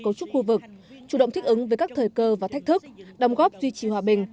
cấu trúc khu vực chủ động thích ứng với các thời cơ và thách thức đồng góp duy trì hòa bình